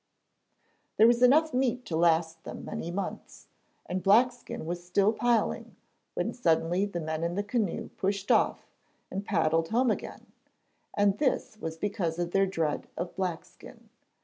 ] There was enough meat to last them many months, and Blackskin was still piling, when suddenly the men in the canoe pushed off, and paddled home again, and this was because of their dread of Blackskin.